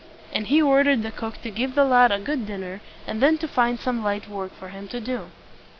And he ordered the cook to give the lad a good dinner, and then to find some light work for him to do.